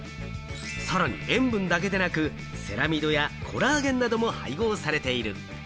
さらに塩分だけでなく、セラミドやコラーゲンなども配合されている。